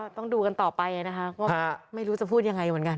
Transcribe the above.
ต้องดูกันต่อไปนะคะว่าไม่รู้จะพูดยังไงเหมือนกัน